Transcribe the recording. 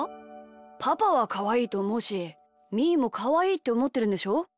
パパはかわいいとおもうしみーもかわいいっておもってるんでしょ？